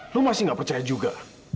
lu masih gak percaya juga